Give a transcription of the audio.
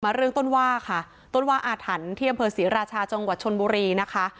เรื่องต้นว่าค่ะต้นว่าอาถรรพ์ที่อำเภอศรีราชาจังหวัดชนบุรีนะคะ